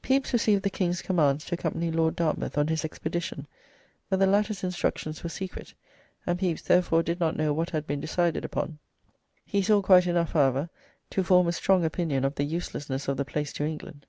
Pepys received the King's commands to accompany Lord Dartmouth on his expedition, but the latter's instructions were secret, and Pepys therefore did not know what had been decided upon. He saw quite enough, however, to form a strong opinion of the uselessness of the place to England.